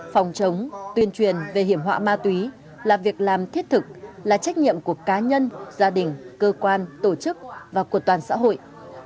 phòng chống tuyên truyền về hiểm họa ma túy là việc làm thiết thực là trách nhiệm của cá nhân gia đình cơ quan tổ chức và của toàn xã hội